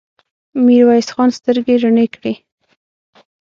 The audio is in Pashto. ميرويس خان سترګې رڼې کړې.